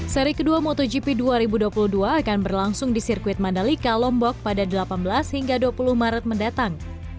seri kedua motogp dua ribu dua puluh dua akan berlangsung di sirkuit mandalika lombok pada delapan belas hingga dua puluh maret mendatang